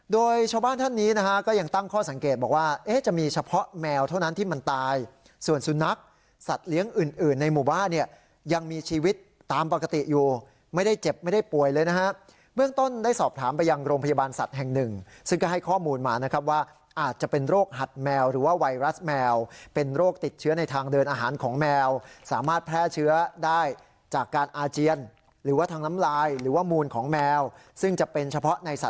โดยชาวบ้านท่านนี้นะฮะก็ยังตั้งข้อสังเกตบอกว่าเอ๊ะจะมีเฉพาะแมวเท่านั้นที่มันตายส่วนสุนัขสัตว์เลี้ยงอื่นอื่นในหมู่บ้านเนี้ยยังมีชีวิตตามปกติอยู่ไม่ได้เจ็บไม่ได้ป่วยเลยนะฮะเมื่องต้นได้สอบถามไปยังโรงพยาบาลสัตว์แห่งหนึ่งซึ่งก็ให้ข้อมูลมานะครับว่าอาจจะเป็นโรคหัดแมวหรื